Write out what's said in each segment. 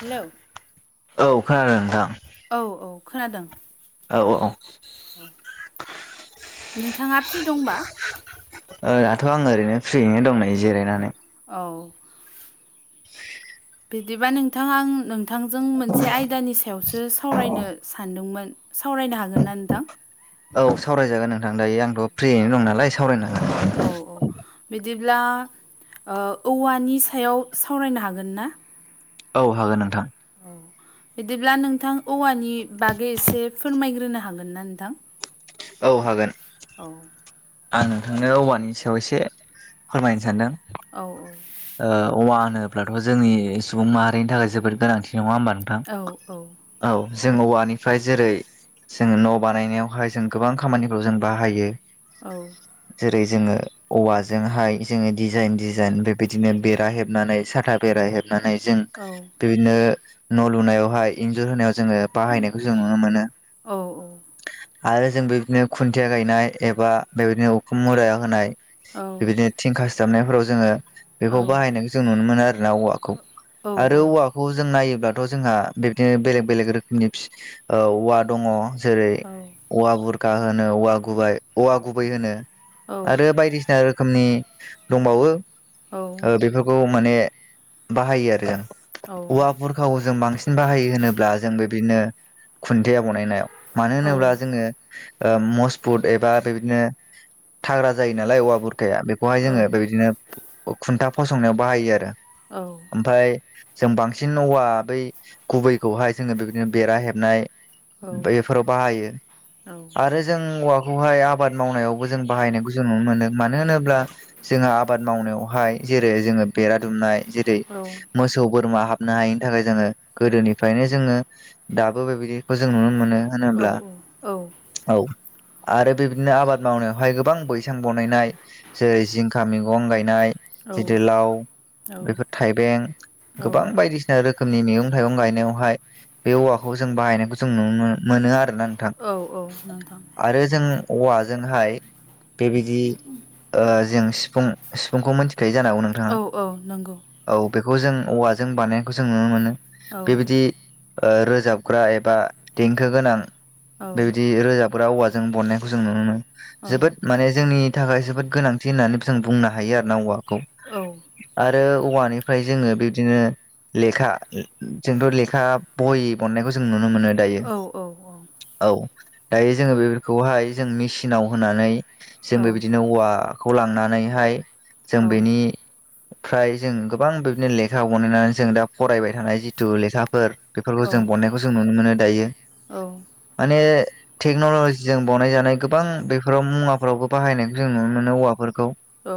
Hello औ खोनादों नोंथां औ औ खोनादों औ औ औ नोंथाङा फ्रि दंबा? ओ दाथ' आङो ओरैनो फ्रियैनो दङ नै जिरायनानै औ [inaudible] बिदिबा नोंथां आं नोंथांजों मोनसे आयदानि सायावसो सावरायनो सानदोंमोन सावरायनो हागोन ना नोंथां औ सावरायजागोन नोंथां दायो आंथ' फ्रियैनो दं नालाय सावरायनो हागोन। औ औ बिदिब्ला ओ औवानि सायाव सावरायनो हागोन ना? औ हागोन नोंथां औ बिदिब्ला नोंथां औवानि बागै एसे फोरमायग्रोनो हागोन ना नोंथां? औ हागोन औ आं नोंथांनो औवानि सायाव एसे फोरमायनो सानदों। औ औ ओ औवा होनोब्लाथ' जोंनि सुबुं माहारिनि थाखाय जोबोद गोनांथि नङा होमबा नोंथां? औ औ जों औवानिफ्राय जेरै जोङो न' बानायनायावहाय जों गोबां खामानिफ्राव जों बाहायो। औ जेरै जोङो औवाजोंहाय जोङो दिडिजाइन डिजाइन बे दिनो बेरा हेबनानै साथा बेरा हेबनानै जों औ बिदिनो न' लुनायावहाय इन्जुर होनायाव जोङो बाहायनायखौ जों नुनो मोनो। औ आरो जों बेबायदिनो खुन्थिया गायनाय एबा बेबायदिनो उखुम मुरा होनाय औ बेबायदिनो थिंखा सिथाबनायफोराव जोङो औ बेखौ बाहायनायखौ जों नुनो मोनो आरो ना औवाखौ आरो औवा खौ जों नायोब्लाथ' जोंहा बिबदिनो बेलेग बेलेग रोखोमनि औवा दङ। जेरै औवा बुरखाा होनो औवा गुब औवा गुबै होनो आरो बायदिसिना रोखोमनि दंबावो औ ओ बेफोरखौ माने बाहायो आरो जों औ औवाबुर खा जों बांसिन बाहायो होनोब्ला जों बे बिदिनो खुन्थिया बनायनाय याव। मानो औ होनोब्ला जोङो ओ मजबुत एबा बेबायदिनो थाग्रा जायो नालाय औवा बुरखाया बे बेखौहाय जोङो बेबायदिनो खुन्था फसंनायाव बाहायो आरो औ ओमफाय जों बांसिन औवा बै गुबैखौहाय जोङो बेदिनो बेरा हेबनाय औ बै फोराव बाहायो। औ आरो जों औवाखौहाय आबाद मावनायावबो जों बाहायनायखौ जों नुनो मोनदों मानो होनोब्ला जोंहा आबाद मावनायावहाय जेरै जोङो बेरा दुमनाय जेरै औ मोसौ बोरमा हाबनो हायिनि थाखाय जोङो गोदोनिफ्रायनो जोङो दाबो बेबायदि खौ जों नुनो मोनो औ होनोब्ला औ आरो बेबदिनो आबाद मावनायावहाय गोबां बैसां बनायनाय जेरै जिंखा मैगं गायनाय गिदिर लाव बेफोर थाइबें औ गोबां बायदिसिना रोखोमनि मैगं थाइगं गायनायावहाय बे औवाखौ जों बाहायनायखौ जों नुनो मोनो आरोना नोंथां औ औ नोंथां। आरो जों औवाजोंहाय बेबायदि ओ जों सिफुं सिफुंखौ मिथिखायो जानांगौ नों औ औ नंगौ। औ बेखौ जों औवाजों बानायनायखौ जों नुनो मोनो औ बेबायदि ओ रोजाबग्रा एबा देंखो गोनां औ बेबायदि रोजाब ग्रा औवाजों बननायखौ जों नुनो मोनो औ जोबोद माने जोंनि थाखाय जोबोद गोनांथि होननानै जों बुंनो हायो आरो ना औवाखौ औ आरो औवानिफ्राय जोङो बिबदिनो लेखा जोंथ' लेखा बयि बननायखौ जों नुनो मोनो। दायो औ औ औ दायो जोङो बेफोरखौहाय जों मेचिनाव होनानै जोंबो बिदिनो औवाखौ लांनानैहाय जों औ बेनिफ्राय जों गोबां बिदिनो लेखा बनायनानै जों दा फरायबाय थानाय जिथु लेखाफोर बेफोरखौ जों बननायखौ जों नुनो मोनो दायो। औ माने टेक्न'ल'जिजों बावनाय जानाय गोबां बेफोराव मुवाफोरावबो बाहायनायखौ जों नुनो मोनो औवाफोरखौ औ।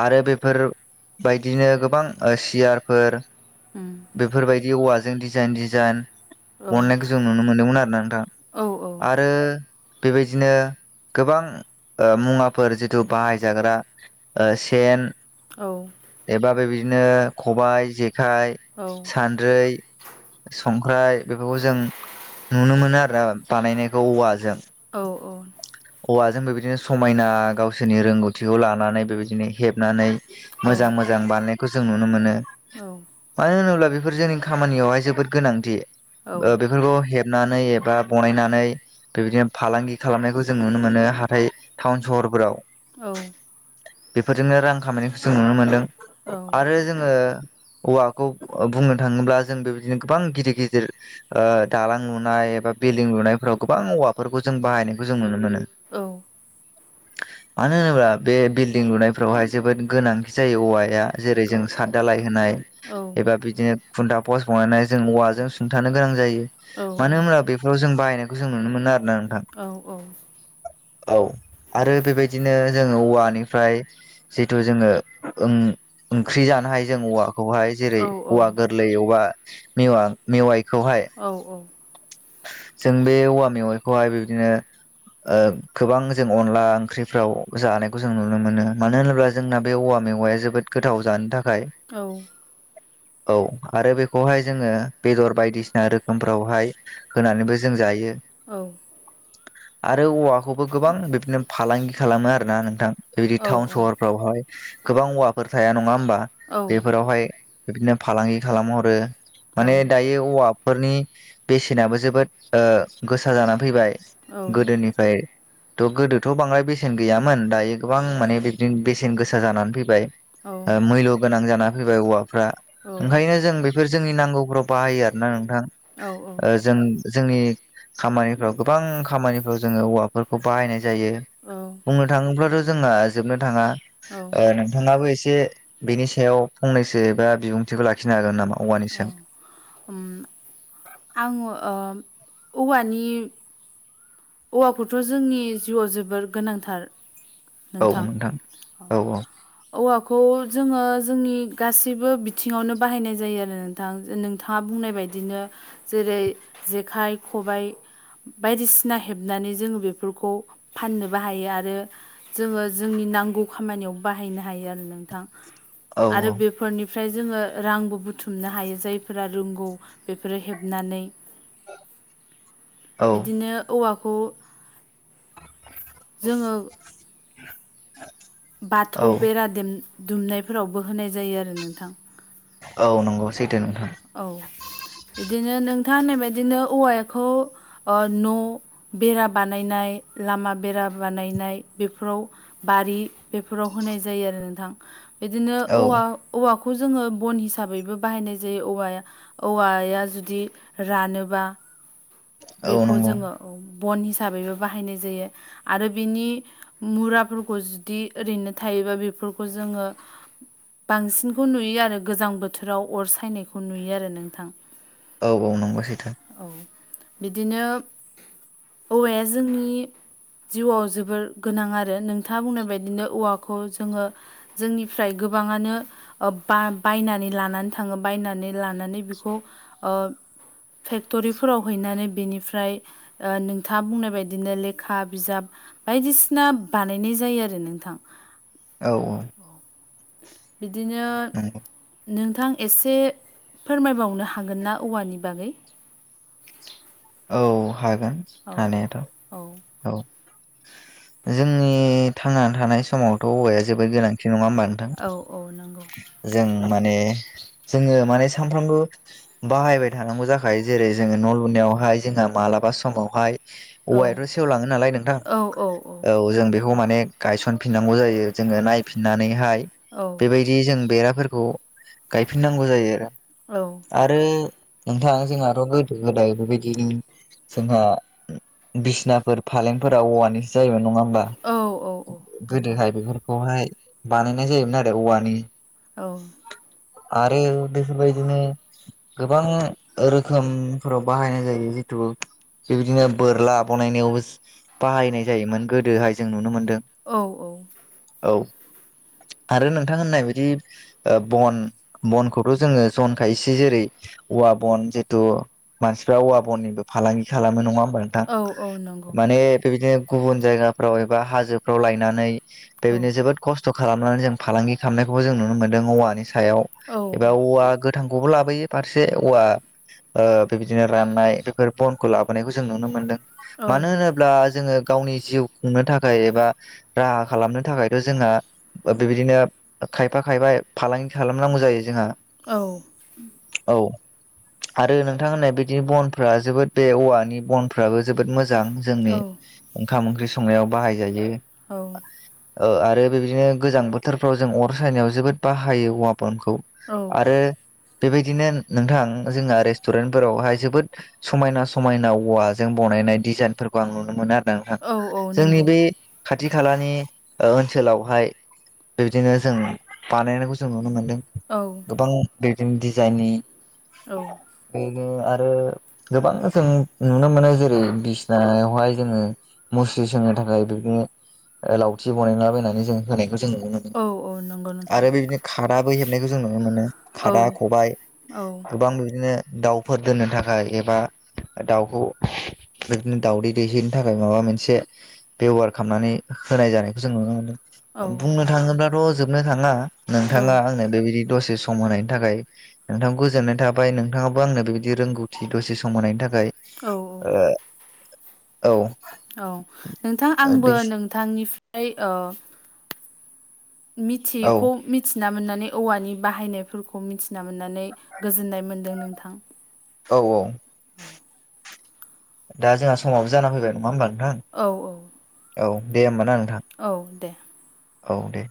आरो बेफोरबायदिनो गोबां सियारफोर हुम। बेफोरबायदि औवाजों डिजाइन डिजाइन औ बननायखौ जों नुनो मोन्दोंमोन आरो ना नोंथां। औ आरो बेबायदिनो गोबां ओ मुवाफोर जिथु बाहायजाग्रा ओ सेन औ एबा बेबायदिनो खबबाय जेखाइ औ सानद्रै संख्राय बेफोरखौ जों नुनो मोनो आरोना बानायनायखौ औवाजों औ-औ हौवाजों बेबायदिनो समायना गावसोरनि रोंगौथिखौ लानानै बेबायदिनो हेबनानै औ मोजां मोजां बानायनायखौ जों नुनो मोनो। मानो होनोब्ला बेफोर जोंनि खामानियावहाय जोबोद गोनांथि, ओ बे बेफोरखौ हेबनानै एबा बनायनानै बेबायदिनो फालांगि खालामनायखौ जों नुनो मोनो हाथाय टाउन सहरफोराव। औ। बेफोरजोंनो रां खामायनायखौ जों नुनो मोनदों आरो जोङो औवाखौ बुंनो थाङोब्ला जों बेबायदिनो गोबां गिदिर गिदिर ओ दालां लुनाय एबा बिल्डिं लुनायफोराव गोबां औवाफोरखौ जों बाहायनायखौ जों नुनो मोनो। औ। मानो होनोब्ला बे बिल्डिं लुनायफोरावहाय जोबोद गोनांथि जायो औवाया। जेरै जों साद दालाय होनाय एबा बिद दिनो खुन्था पस बनानै जों औवाजों सुंथानो गोनां जायो मानो होनब्ला बे फोराव' जों बायनायखौ जों नुनो मोनो आरो ना नोंथां। औ औ। औ आरो बेबायदिनो जों औवानिफ्राय जिथु जोङो ओं-ओंख्रि जानो हाय जों औवा खौहाय जेरै औवा गोरलै अबाव मेवा-मेवाइखौहाय। औ जों बे औवा मेवाइखौहाय बेदिनो ओ गोबां जों अनला ओंख्रिफ्राव जानायखौ जों नुनो मोनो मानो होनोब्ला जोंना बे औवा मेगवाया जोबोद गोथाव जानो थाखाय। औ। औ आरो बेखौहाय जोङो बेदर बायदिसिना रोखोमफ्रावहाय होनानैबो जों जायो। औ। आरो औवाखौबो गोबां बिबदिनो फालांगि खालामो आरोना नोंथां। बेबायदि टाउन सहरफ्रावहाय गोबां औवाफोर थाया नङा होमबा, बेफोरावहाय बिदिनो फालांगि खालामहरो माने दायो औवाफोरनि बेसेनाबो जोबोद ओ गोसा जानानै फैबाय। गोदोनिफ्राय थ' गोदोथ' बांद्राय बेसेन गैयामोन दायो गोबां माने बिदिनो बेसेन गोसा जानानै फैबाय। ओ मैल्य गोनां जाना फैबाय औवाफ्रा औ ओंखायनो जों बे बेफोर जोंनि नांगौफोराव बाहायो आर ना नोंथां। औ औ। ओ जों जोंनि खामानिफ्राव गोबां खामानिफ्राव जोङो औवाफोरखौ बाहायनाय जायो। औ। बुंनो थाङोब्लाथ' जोंहा जोबनो थाङा औ नोंथाङाबो एसे बेनि सायाव फंनैसो एबा बिबुंथिखौ लाखिनो हागोन नामा? औवानि औ सायाव उम आङो ओ औवानि औवाखौथ' जोंनि जिउआव जोबोर गोनांथार। नोंथां औ। औवाखौ जोङो जोंनि गासैबो बिथिङावनो बाहायनाय जायो आरो नोंथां नोंथाङा बुंनाय बायदिनो जेरै जेखाइ खबाय बायदिसिना हेबनानै जोङो बेफोरखौ फाननोबो हायो आरो जोङो जोंनि नांगौ खामानियाव बाहायनो हायो आरो नोंथां औ आरो बे- फोरनिफ्राय जोङो रांबो बुथुमनो हायो जायफोरा रोंगौ बेफोरो हेबनानै। [inaudible] औ बिदिनो औवाखौ जोङो [inaudible] बाथौ औ बेरा दुमनायफोरावबो होनाय जायो आरो नोंथां औ नंगौ सैथो नोंथां औ बिदिनो नोंथाङा होननाय बायदिनो औवाखौ न' बेरा बानायनाय लामा बेरा बानायनाय बेफोराव बारि बेफोराव होनाय जायो आरो नोंथां बिदिनो औ औवा औवाखौ जोङो बन हिसाबैबो बाहायनाय जायो जे औवाया औवाया जुदि रानोबा औ बेखौ नंगौ जोङो बन हिसाबैबो बाहायनाय जायो आरो बिनि मुराफोरखौ जुदि ओरैनो थायोबा बेफोरखौ जोङो बांसिनखौ नुयो आरो गोजां बोथोराव अर सायनायखौ नुयो आरो नोंथां औ औ नंगौ सैथो औ बिदिनो औवाया जोंनि जिउआव जोबोर गोनां आरो नोंथाङा बुंनाय बायदिनो औवाखौ जोङो जोंनिफ्राय गोबाङानो बा बायनानै लानानै थाङो बायनानै लानानै बेखौ फेक्ट'रिफोराव हैनानै बेनिफ्राय नोंथाङा बुंनाय बायदिनो लेखा बिजाब बायदिसिना बानायनाय जायो आरो नोंथां औ औ बिदिनो नंगौ नोंथां एसे फोरमायबावनो हागोन ना औवानि बागै औ हागोन औ हानायाथ' औ औ जोंनि थांना थानाय समावथ' औवाया जोबोद गोनांथि नङा होमबा नों औ औ नंगौ जों माने जोङो माने सानफ्रामबो बाहायबाय थानांगौ जाखायो जेरै जोङो न' लुनायावहाय जोंहा मालाबा समावहाय औ औवायाथ' सेवलाङो नालाय नोंथां औ औ औ जों बेखौ माने गायसनफिननांगौ जायो जोङो नायफिननानैहाय औ बेबायदि बिदि जों बेराफोरखौ गायफिननांगौ जायो आरो औ आरो नोंथाङा जोंहाथ' गोदो गोदाय बेबायदि उम जोंहा बिसनाफोर फालेंफोरा औवानिसो जायोमोन नङा होमबा औ औ औ नंगौ गोदोहाय बेफोरखौहाय बानायनाय जायोमोन आरो औवानि औ आरो बेफोरबायदिनो गोबां रोखोमफोराव बाहायनाय जायो जिहेथु बेबायदिनो बोरला बानायनायावबो बाहायनाय जायोमोन गोदोहाय जों नुनो मोन्दों। औ औ। औ आरो नोंथां होननाय बायदि। ओ बन बनखौथ' जोङो जन खायसे जेरै। औवा बन जेतु मानसिफ्रा औवा बननिबो फालांगि खालामो नङा होमबा नोंथां औ औ नंगौ माने बेबायदिनो। गुबुन जायगाफ्राव एबा हाजोफ्राव लायनानै औ बेबायनो जोबोद। खस्थ' खालामनानै जों फालांगि खालामनायखौबो जों नुनो मोन्दों औवानि सायाव औ एबा औवा गो थांखौबो लाबोयो फारसे औवा ओ बेबायदिनो राननाय। बेफोर बनखौ लाबोनायखौ जों नुनो मोनदों औ मानो होनो ब्ला जोङो गावनि जिउ खुंनो थाखाय एबा राहा खालामनो थाखायथ' जोंङो। ओ बेबायदिनो खायफा खायफा फालांगि खालामनांगौ जायो जोंहा। औ। औ आरो नोंथां होननाय बिदिनो बन। फ्रा जोबोद बे औवानि बनफ्राबो जोबोद मोजां जोंनि। ओंखाम ओंख्रि संनायाव बाहायजायो। ओ आरो बेदिनो गोजां बोथोरफ्राव जों अर सायनायाव जोबोद बाहायो औवा बनखौ। औ आरो बेबायदिनो नोंथां जोंहा रेस्टुरेन्टफोरावहाय जोबोद। समायना समायना औवाजों बनायनाय डिजाइनफोरखौ आं नुनो मोनो आरो। नोंथां औ औ जोंनि नंगौ बे खाथि खालानि ओ ओनसोलावहाय। बिबादिनो जों बानायनायखौ जों नुनो मोन्दों। औ। गोबां बिदिनो डिजाइननि। औ। बेनो आरो गोबां जों। नुनो मोनो जेरै बिसिनायावहाय जोङो। मुस्रि सोंनो थाखाय बिबादिनो ओ लावथि बनायलाबायनानै जों होनायखौ जों नुनो मोनो। औ औ नंगौ नोंथां आरो बेबादिनो खादाबो हेबनायखौ जों नुनो मोनो औ खादा खबाइ। औ गोबां बिबादिनो दाउफोर दोननो थाखा एबा दाउखौ बिबदिनो दाउदै दैहैनो थाखाय माबा मोनसे बेब'हार खालामनानै होनाय जानायखौ जों नुनो मोनदों। बुंनो थाङोब्लाथ' जोबनो थाङा औ नोंथाङा आंनो बेबायदि। दसे सम होनायनि थाखाय नोंथांखौ गोजोननाय थाबाय नोंथाङाबो आंनो बेबायदि रोंगौ थि दसे सम होनायनि थाखाय। औ औ। औ। औ नोंथां आंबो बे नोंथांनिफ्राय ओ। औ मिथियैखौ। मिथिना मोननानै औवानि बाहायनायफोरखौ मिथिना मोननानै गोजोननाय मोन्दों नोंथां। औ औ दा जोंहा समाबो जाना फैबाय नङा होमबा नोंथां? औ औ औ दे होमबाना नोंथां औ दे औ दे।